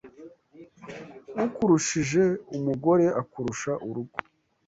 Ukurushije umugore akurusha urugo